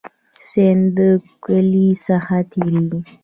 سیند د کلی څخه تیریږي